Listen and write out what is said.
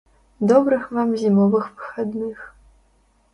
Добрых вам зімовых выхадных.